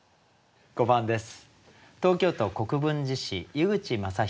５番です。